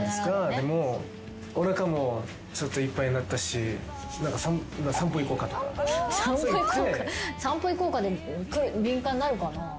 でも「おなかもちょっといっぱいになったし」「散歩行こうか」で敏感になるかな。